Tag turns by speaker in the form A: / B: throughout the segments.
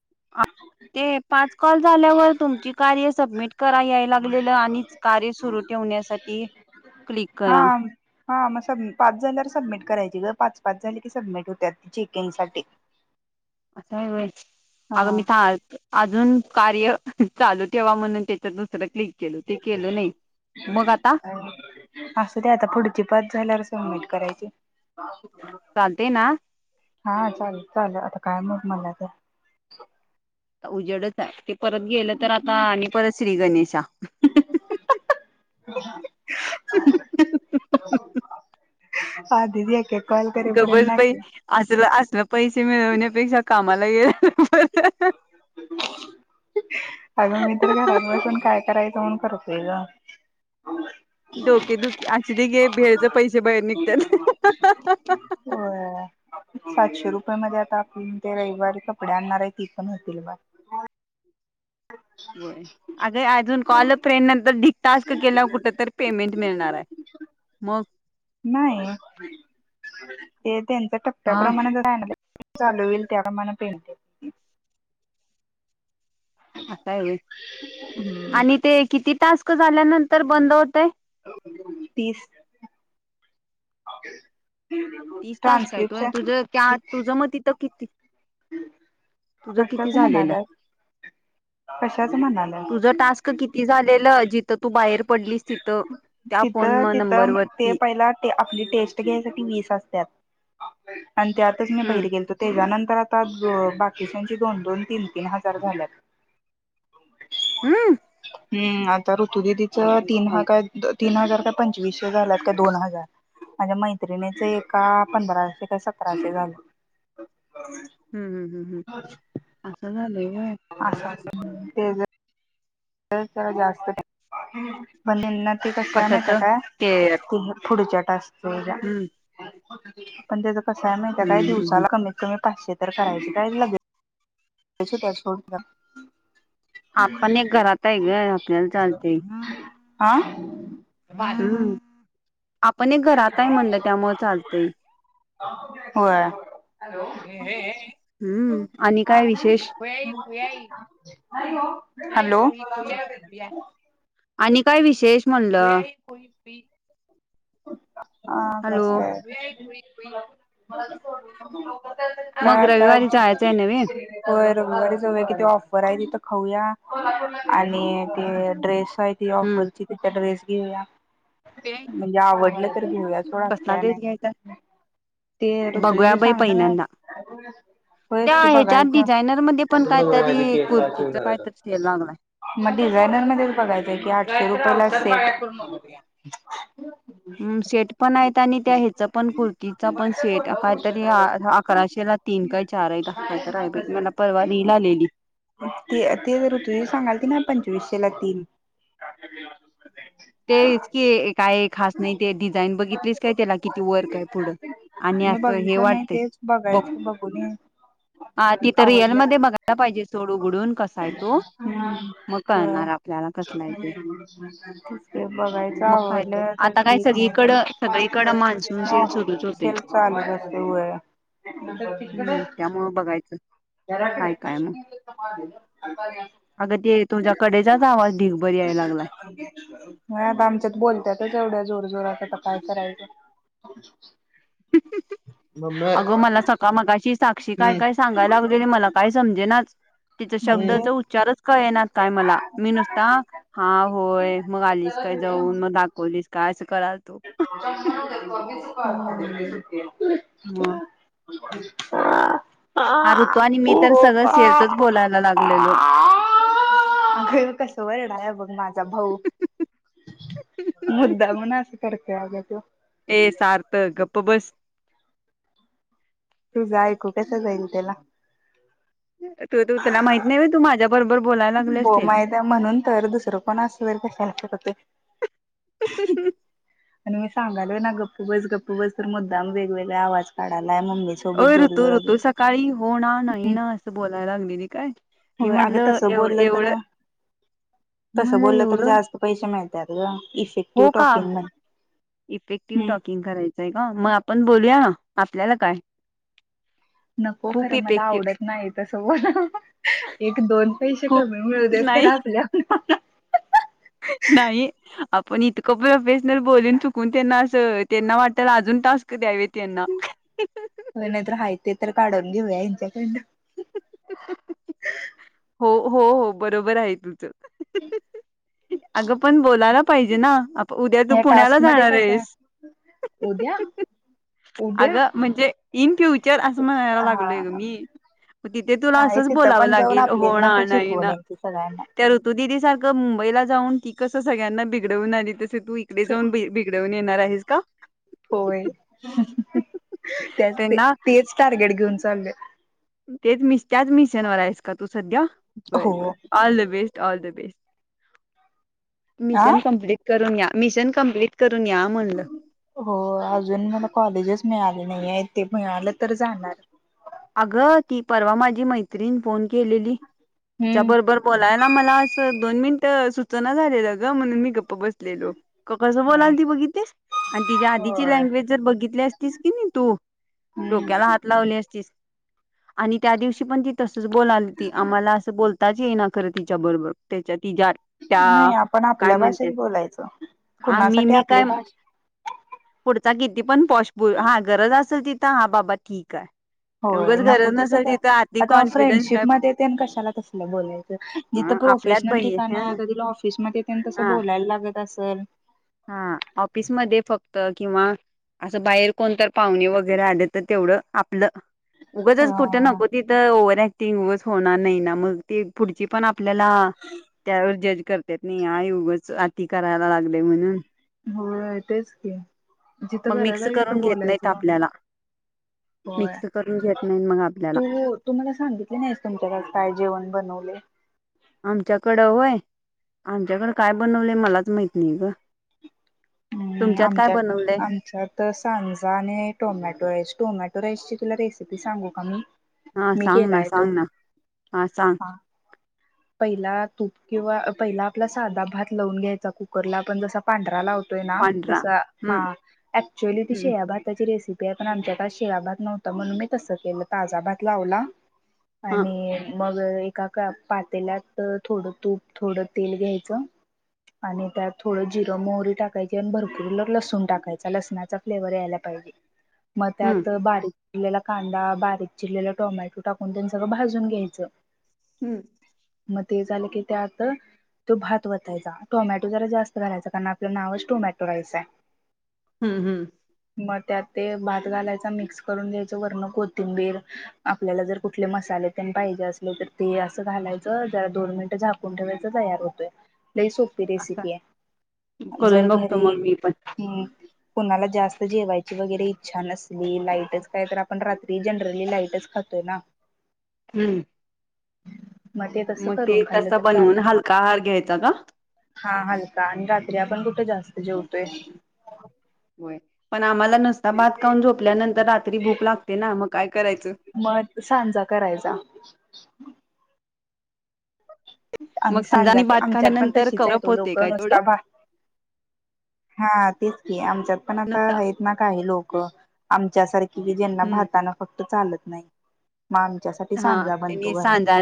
A: [inaudible]
B: ते पाच कॉल झाल्यावर तुमची कार्य सबमिट करा यायला लागलेलं आणि कार्य सुरु ठ ठेवण्यासाठी क्लिक
A: हा
B: करा.
A: हा म स -पाच झाल्यावर सबमिट करायची ग पाच पाच झाली की सबमिट होत्यात चेकिंग साठी.
B: असं हाय होय,
A: हा.
B: अग मी अजून कार्य [inaudible] चालू ठेवा म्हणून त्याच्यात दुसरं क्लिक केल ते केल नाही. मग आता?
A: [inaudible] असुदे आता पुढची पाच झाल्यावर सबमिट करायची.
B: चालतय ना?
A: हा चालेल -चालेल आता काय मग मला तर.
B: उजेडच हाय ते परत गेलं तर आता आणि परत श्री गणेशा.
A: [unintelligible]
B: गबस
A: करेपर्यंत ना
B: बाई
A: की
B: असलं -असलं पैसे मिळवण्यापेक्षा कामाला गेलेल बर [inaudible]
A: अगं मी तर [inaudible] घरात बसून काय करायचं म्हणून करतोय ग
B: डोके दुखी असुदे घे भेळच पैसे बाहेर निघत्यात [inaudible]
A: होय सातशे रुपये मध्ये [inaudible] आता आपण ते रविवारी कपडे आणणार आहे ती पण होतील बर
B: हम् [inaudible] ब अगे अजून कॉल फ्रेंड नंतर ढीग टास्क केलावर कुठ तर पेमेंट मिळणार आहे मग
A: नाही [inaudible] ते त्यांच
B: हा
A: टप्प्याप्रमाणेच राहणार चालू होईल त्या प्रमाणे पेमेंट
B: अस हाय होय
A: येईल.
B: आणि ते किती टास्क झाल्यानंतर बंद होतय?
A: तीस आप [unintelligible]
B: तीस टास्क आहेत होय तू त्या तुझं म तिथं किती? तुझं किती
A: तसंच
B: झालेलं
A: म्हणाल्यात [inaudible] [inaudible] कशाच म्हणालाय [inaudible]
B: तुझं टास्क किती झालेलं जिथं तू बाहेर पडलीस तिथं त्या फोन
A: तिथं-
B: म नंबर
A: तिथं ते
B: वरती
A: पहिला- आपली टेस्ट [inaudible] घ्यायसाठी वीस असत्यात आणि त्या [inaudible] आतच मी
B: हम्म
A: बाहेर गेलतो तेच्यानंतर आ [inaudible] बाकीच्याची दोन- दोन तीन -तीन हजार झाल्यात
B: हम्म...
A: हम्म आता ऋतुददीच तीन हजार
B: हम्म
A: का तीन हजार काय पंचवीसशे झालात का दोन हजार माझ्या मैत्रिणीच एका पंधराशे का सतराशे झालं [inaudible]
B: हम्म हम्म हम् हम् असं झालं
A: असं- अस तेज जास्त बंद [unintelligible] कस हाय [inaudible]
B: कशाच
A: माहितीय काय
B: ते
A: येत्या पुढच्या टास्क
B: हम्म
A: [unintelligible] [inaudible] पण त्याच कसय माहित आहे काय
B: हम्म हम्म
A: दिवसाला कमीत कमी पाचशे तर करायचे काय लगेच कसे पाचशे होतात [inaudible]
B: आपण एक घरात आहे ग आपल्याला चालतय
A: आं
B: हम्म आपण एक घरात [inaudible] आहे म्हणलं त्यामुळ चालतंय
A: [inaudible] होय
B: [inaudible] हम्म आणि काय विशेष? [inaudible]
A: हॅलो हॅलो हा बोला की.
B: आणि काय विशेष म्हणलं.
A: हा
B: हॅलो
A: बसले.
B: मग
A: काय
B: रविवारी जायचंय नव्हे
A: बरबर सगळ किती ऑफर आहे तिथं. खाऊया आणि ते ड्रेस आहे ती
B: हम्म
A: ऑफरची त्या ड्रेस. घेऊया म्हणजे आवडलं तर घेऊया सोड असं
B: कसला
A: काय
B: ड्रेस घ्यायचा
A: नाही. ते ऋतूजा
B: बघूया
A: ते
B: बाई
A: सांग ना
B: पहिल्यांदा
A: का होयस
B: त्या
A: की
B: ह्याच्यात
A: बघायचा.
B: डिझायनर मध्ये पण काहीतरी कुर्तीच काहीतरी सेल लागलाय
A: मग डिझायनर मध्ये बघायचंय की आठशे रुपयेला सेट.
B: हम् सेट पण आहेत. आनी त्या ह्याचा पण कुर्तीचा पण सेट काहीतरी अकराशे ला तीन काय चार एक तर हाय बाई मला परवा रील आलेली.
A: ते ते तर ऋतुजा सांगाल की ना पंचवीसशेला तीन.
B: तेच की काय खास नाही ते डिझाईन बघितली. बग त्याला किती वर्क आहे पुढं आणि
A: मी
B: असं हे
A: बघितलं नाही
B: वाटतय
A: तेच
B: बघ.
A: बघायचं बघून
B: हा तिथ
A: आवडलं
B: रिअलमध्ये बघायला पाहिजे सोडू उघडून कसा आहे तो मग कळणार आप.
A: बघायच
B: मग काय
A: आवडलं तर
B: आता काय
A: ठीक
B: सगळीकडं
A: नाहीतर
B: सगळीकडं मान्सून सेल सुरूच
A: हो
B: होतय
A: सेल् चालू जस वय [unintelligible] इकडे तिकडे.
B: हम्म त्यामुळं बघायचं काय
A: घराकडे
B: काय मग अगं ते तुमच्या कडेचाच आवाज ढीगभर याय लागलाय.
A: नाही आता आमच्यात बोलत्यातंच, एवढ्या जोर जोरात आता काय करायचं.
B: [inaudible]
A: मम्मे
B: अगं मला सका- मगाशी साक्षी काय,
A: हम्म
B: काय सांगायला लागलेली आणि मला काय समजेनाच. तिचा
A: म्हणजे
B: शब्दाचा उच्चारच कळेना काय मला, मी नुसता हा, होय, मग आलीस- काय जाऊन, मग दाखवलीस काय असं करालतो.
A: ् [unintelligible]
B: ह.
A: हा. [unintelligible]
B: ह. ऋतू आणि मी तर सगळं सेलचंच बोलायला लागलेलो.
A: अगं हे बघ कस वरडालाय बघ माझा भाऊ. मुद्दामन असं करतोय आग त्यो.
B: ए सार्थ, गप्प बस.
A: तूझं ऐकू कस जाईल त्याला.?
B: तू तू त्याला माहित नाही तू माझ्या बरोबर बोलायला लागलेस
A: हो
B: ते.
A: माहित्या म्हणून तर दुसरं कोण असलं तर कशाला करतोय आणि
B: [inaudible]
A: मी सांगालोय ना गप्प बस, गप्प बस, तर मुद्दाम वेगवेगळे आवाज काढा
B: होय ऋतू, ऋतू सकाळी होणार ना नाही ना, असं बोलायला लागलेली काय- मी
A: होय अगं
B: म्हटलं
A: तसं
B: एवढं
A: बोललं तर,
B: एवढं मी
A: तस
B: म्हणलं
A: बोललं तर
B: एवढं
A: जास्त पैसे मिळत- त्यात गं.
B: हो का? इफेक्टिव्ह
A: हम्म
B: टॉकिंग करायचंय का मग आपण बोलूया ना. आपल्याला काय.?
A: नको
B: खूप
A: खरं मला
B: इफेक्टिव्ह
A: आवडत नाही, तस बोलायला एक दोन पैसे
B: खूप
A: कमी मिळू देत- खरं आपल्या, आपल्या
B: ह [inaudible] नाही आपण इतकं प्रोफेशनल बोलून चुकून त्यांना असं त्यांना वाटल अजून टास्क द्यावेत. त्यांना-
A: होय नाहीतर हाय ते तर काढून घेऊया हेंच्याकडनं.
B: [inaudible] हो, हो, बरोबर आहे तुझं अग पण बोलायला पाहिजे ना, आप उद्या तू
A: ह्या
B: पुण्याला
A: टास्क मध्ये
B: जाणार
A: कसं आहे
B: आहेस.
A: उद्या उद्या
B: अगं म्हणजे इन फ्युचर असं म्हणायला लागलोय ग
A: हा
B: मी. ग तिथे तुला
A: नाही
B: असंच
A: तिथं
B: बोलावं
A: पण जाऊन
B: लागेल, हो
A: आपलीच
B: ना,
A: भाषा
B: नाही
A: शिकवून
B: ना,
A: यायची सगळ्यांना.
B: त्या ऋतु दिदी सारखं मुंबईला जाऊन ती कस सगळ्यांना बिघडवून आली, तसं तू इकडे जाऊन बिघडवून येणार आहेस का?
A: होय, त्याच ते
B: त्यांना
A: तेच टार्गेट घेऊन चाललोय.
B: तेच त्याच मिशनवर आहेस का तू सध्या, बर
A: हो
B: बर all the best. All the best.
A: आ
B: मिशन कंप्लीट करून या मिशन कप्लीट
A: हो अजून मला कॉलेजच मिळालं नाही आहे ते मिळालं तर जाणार.
B: अगं ती परवा माझी मैत्रीणं फोन केलेली,
A: हम्म
B: तिच्याबरोबर बोलायला मला अस दोन मिन टं सुचेना झालेल ग म्हणून मी गप्पा बसलेलो, कसं
A: हा
B: बोलालती बघितलीस. आणि तिच्या आधीची
A: होय
B: लँग्वेज जर बघितली असतीस की नाही तू,
A: हम्म
B: डोक्याला हात लावली असतीस. आणि त्या दिवशी पण ती तसच बोलालती, आम्हाला असं बोलत- ताच येईना खरं तिच्या बरोबर त्याच्या तिच्या त्या
A: नाही आपण
B: काय
A: आपल्या
B: म्हणत्यात
A: भाषेत बोलायचं.
B: हा मी
A: कुणासाठी
B: मी
A: आपली
B: काय
A: भाषा
B: पुढचा किती पण पॉष हा गरज असल तिथं हा बाबा ठीक हाय
A: होय नको तिथं काय आता
B: कॉन्फिडन्स
A: फ्रेंडशिप
B: काय
A: मध्ये तेन कशाला तसलं बोलायचं जिथं
B: अ आपल्यात
A: प्रोफेशनल
B: बाई ह
A: ठिकाणात तिला ऑफिसमध्ये तेन तसं
B: हा
A: बोलायला लागत असंल
B: हा ऑफिसमध्ये फक्त किंवा असं बाहेर कोणतर पाहुणे वगैरे आले तर तेवढं आ आपलं
A: अ
B: उगंचच कुठं नको तिथं ओवर ऍक टिंग उगच होणार नाही ना मग ते पुढची पण आप आपल्याला त्यावर जज करतेत नही हां ही उगच ती करायला लागले म्हणून.
A: होय तेच की, जिथं
B: मग
A: गरज
B: मिक्स
A: आहे तिथं
B: करून घेत नाहीत
A: बोलायचं गं.
B: आपल्याला मिक्स करून घेत ना
A: तू तु मला सांगितली नाहीस तुमच्या घरात काय जेवण बनवलंय?
B: आमच्याकडं व्हय? आमच्याकडं काय बनवलंय मलाच माहीत नाही गं. [inaudible]
A: हम्म आमच्यात, आमच्यात सांजा आणि टोमॅटो टोमॅटो राईसची तुला रेसिपी सांगू का मी?
B: हा
A: मी
B: सांग ना,
A: केलाय तो
B: सांग ना, हा सांग.
A: पहिला तूप किंवा पहिला आपला साधा भात लावून घ्यायचा कुकरला. आपण जसा पांढरा लाव तोय ना
B: पांढरा
A: तसा.
B: हम्म
A: हां ऍक्च्युली ती
B: हम्म
A: शिळ्या भाताची रेसिप पी पण आमच्यात शिळा भात नव्हता, म्हणून मी तसं केलं ताजा भात लावला
B: हा
A: आणि मग एकाका पात तेल्यात थोडं तूप, थोडं तेल घ्यायचं. आणि त्यात थोडं जिरं, मोहरी टाकायची आणि भरपूर लसून टाकायचा. लसणाचा फ्लेवर यायला पा हीजे. मग
B: हम्म
A: त्यात बारीक चिरलेला कांदा, बारीक चिरलेला टोमॅटो टाकून तेन सगळं भाजून घ्यायचं.
B: हम्म.
A: मग ते झालं की त्यात तो भात वतायचा. टोमॅटो जरा जास्त घालायचा कारण आपलं नावच टोमॅटो राईस हाय.
B: हम्म हम्म.
A: मग त्यात ते भात घालायचा मिक्स करून घ्यायचं. वरणं कोथिंबीर, आपल्याला जर कुठले मसा ले तेन पाहिजे असलं तर ते असं घालायचं. जरा दोन मिनिटं झाकून ठेवायचं, तयार होतंय. लैई सोपी
B: असं
A: रेसिपी हाय.
B: करून बघतो मग मी पण.
A: हम्म! कुणाला जास्त जेवायची वगैरे इच्छा नसली, लाईटच काय तर आप आपण रात्री जनरली लाईटच खातोय ना?
B: हम्म.
A: ते तसं
B: मग ते
A: करून खाल्लं
B: तसं
A: तर चालेल
B: बनवून हलका आहार घ्यायचा का?
A: हा हलका आणि रात्री आपण कुठं जास्त जेवतोय
B: होय. पण आम्हाला नुसता भात खाऊन झोपल्यानंतर रा त्री भूक लागते ना मग? काय करायचं
A: मग सांजा करायचा.
B: मग
A: आम्ही सांजा
B: संजानी
A: की
B: भात
A: आमच्यात पण
B: खाल्यानंतर
A: तशीच आहेत
B: कवरप
A: ओ
B: होते
A: लोकं.
B: काय तेवढं
A: नुसता भात हा तेच की आमच्यात पण आता
B: नुसता
A: आहेत ना काही लोकं, आमच्यासारखी कि ज्यांना
B: हम्म
A: भातानं फक्त चालत नाही. मग आमच्यासाठी
B: हा
A: सांजा बनतो
B: त्यांनी
A: घरात
B: सांजा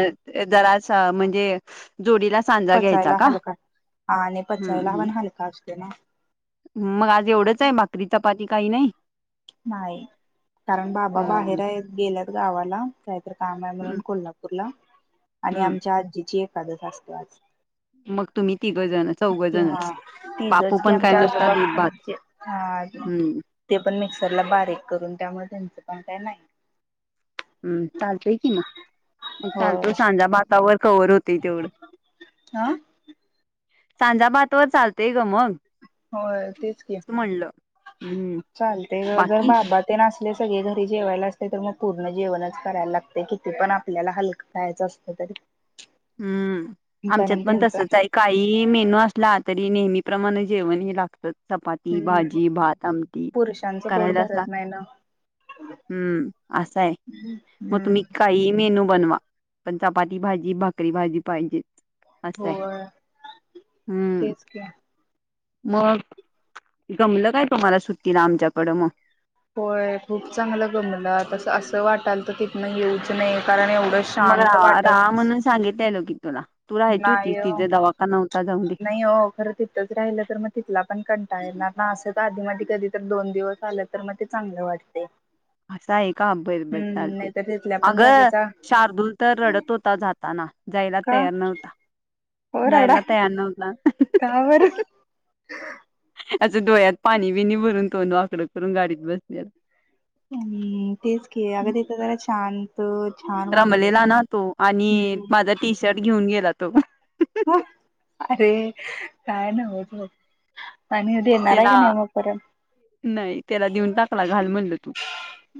B: जरासा म्हणजे जोडीला सांजा घ्यायचा
A: पचायला
B: का?
A: हलका आणि
B: हम्म
A: पचायला
B: हम्म.
A: पण हलका असतो ना
B: मग आज एवढंच आहे? भाकरी, चपाती काही नाही?
A: नाही कारण बाबा
B: हम्म
A: बाहेर आहेत. गेल्यात गावाला काय तर काम आहे म्हणून
B: हम्म
A: कोल्हापूरला आणि
B: हम्म
A: आमच्या आजीची एकादस असत्या आज.
B: मग तुम्ही तिघ जण चौघ
A: हां
B: जणच बापू
A: तिघच की
B: पण काय
A: आमचे
B: नुसता
A: आजोबा
B: दूध
A: पण
B: भात
A: म्हणजे हा
B: हम्म
A: ते पण मिक्सरला बारीक करून, त्यामुळं त्यांचं पण काय नाही.
B: हम्म. चालतोय कि मग. मग चालतो
A: होय
B: सांजा भातावर कवर होते तेवढं.
A: हा
B: सांजा भात व चालतय गं मग.
A: होय तेच कि
B: म्हणलं हम्म
A: चालते गं जर
B: बाकी
A: बाबा ते न असं आपले सगळे घरी जेवायला असते तर मग पूर्ण जेवणच करायला लागते किती पण आपल्याला हलकं खयचं असल तरी.
B: हम्म, आमच्यात
A: कारण
B: पण
A: त्यांचा
B: तसच आहे काही मेनू असला तरी नेहमी प्रमाणे जेवण हे लागतच. चपाती
A: हम्म
B: भाजी भात आमटी
A: पुरुषांचं पोट
B: करायलाच
A: भरत
B: लागते.
A: नाही ना
B: हम्म असा आहे. मग
A: हम्म
B: तुम्ही काही मेनू बनवा. पण चपाती भाजी भाकरी भाजी पाहिजे. असं आहे
A: होय
B: हम्म.
A: तेच की
B: मग. गमलं काय तूम्हाला सुट्टीला आमच्याकडं मग?
A: होय खूप चांगलं गमल. आता असं वाटाल तर तथनं येऊच नये कारण एवढं
B: मग
A: शांत
B: राहा
A: वाटत
B: राहा म्हणून
A: होतं.
B: सांगितलेलो की तुला तू राहायची होती
A: नाही हो,
B: तिचा दवाखाना होता जाऊन दे
A: नाही हो, खरं तिथच राहिलं तर मग तिथला पण क ना ना असं तर आधी मा कधी तर दोन दिवस आले तर मग ते चांगलं वाटतय.
B: असा आहे का? अ बर बर चालतय.
A: नाहीतर तिथल्या पण
B: अगं.
A: जागेचा
B: शार्दूल तर रडत होता जाताना. जायला
A: का
B: तयार नाही.
A: ओ रडा
B: जायला तयार नवता.
A: का बरं
B: असं डोळ्यात पाणी बिणी भरून तोन आकडं करून गाडीत बसले.
A: हम्म तेच की, अग तिथं जरा शांत, छान वाटतय
B: रमलेला
A: ना
B: तो आणि
A: हम्.
B: माझा टी शर्ट घेऊन गेला तो.
A: अरे काय नव्ह बघ आणि देणार हाय की नाही
B: त्याला
A: म परत.
B: नाही त्याला देऊन टाकला घाल म्हणल तू.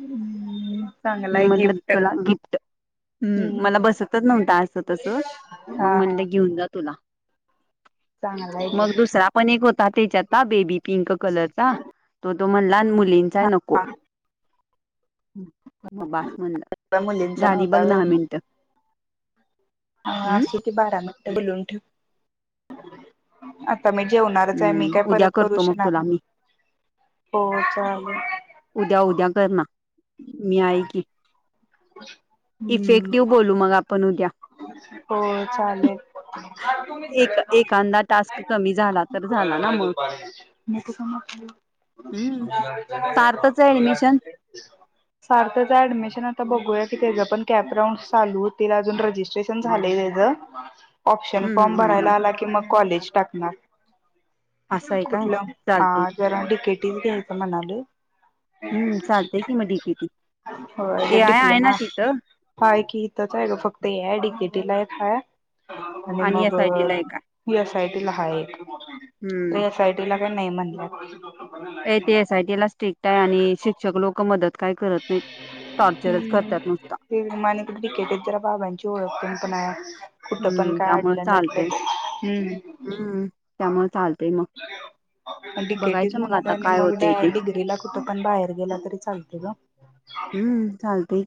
A: हम्म चांगला
B: मी
A: आहे
B: म्हटलं
A: गिफ्ट
B: तुला गिफ्ट. हम्म. मला बसतच नव्हत असं तसं
A: हा
B: मग
A: हा
B: म्हणटलं घेऊन जा तुला.
A: चांगला आहे की
B: मग दुसरा पण एक होता त्याच्यात बेबी पिंक कलरचा तो तो म्हण लहान मुलींचाय नको. मग बास म्हणला
A: हा मुलींचा
B: झाली बघ
A: नव्हता
B: दहा मिनटं.
A: ह असे ते बारा मिनट बोलून ठेव. मी जेवणारच आहे. मी
B: हम्म
A: काय परत
B: उद्या
A: करू
B: करतो मग
A: शणार
B: तुला
A: नाही.
B: मी
A: हो
B: उद्या
A: चालेल.
B: उद्या कर ना मी आई की. इफेक्टिव्ह
A: हम्म
B: बोलू मग आपण उद्या.
A: हो
B: एक एखादा टास्क कमी
A: चालेल
B: झाला तर झाला ना
A: मग.
B: हम्म
A: [unintelligible]
B: सार्थच आहे ऍडमिशन
A: सारख त्याज ऍडमिशन आता बघूया की, त्याज पण कॅपरांऊंड चालू होतीला. अजून रजिस्ट्रेशन झालय त्याच. ऑप्शन
B: हम्म
A: फॉर्म
B: हम्म हम्म
A: भरायला
B: हम्म
A: आला की मग कॉलेज टाकणार.
B: असं आहे काय
A: कुठलं? हा
B: चालतय
A: जरा डीकेटी घ्यायच म्हणालोय
B: हम्म चालतेय की म डी के टी.
A: हो अ ग डिप्लोमा हय की इथच आहे ग फक्त ए आय डिकेटी ला आणि मग
B: एस आय टी ला एक आहे
A: येसाएयटी हा एक.
B: हम्म
A: एस आयटीला का नाही म्हणतात.
B: ते एसआयटी ला स्ट्रिक्ट आहे. आणि शिक्षक लोक मदत काय करत नाहीत. टॉर्चरच करतात
A: हम्म.
B: नुसता
A: ते माने कठ बिकटेत जरा बाबांची ओळखते पण आहे. कुठं पण
B: हम्म
A: काय
B: त्यामुळे
A: अडलं नटलं
B: चालतय
A: तं. हम्म.
B: हम्म त्यामुळे चालतय मग
A: पण डीकेटीच
B: बघायचं मग
A: म्हणाल
B: आता
A: आणि
B: काय
A: मग
B: होतय ते
A: डिग्रीला कुठं पण बाहेर गेला तरी चालत ग.
B: हम्म चालते.